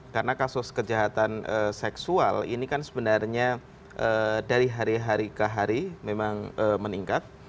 karena kasus kejahatan seksual ini kan sebenarnya dari hari hari ke hari memang meningkat